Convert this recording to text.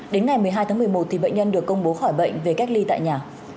đến ngày một mươi hai tháng một mươi một bệnh nhân được công bố khỏi bệnh về cách ly tại nhà